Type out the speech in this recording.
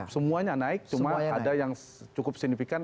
semuanya naik cuma ada yang cukup signifikan